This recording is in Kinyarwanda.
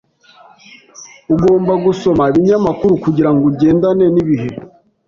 Ugomba gusoma ibinyamakuru kugirango ugendane nibihe.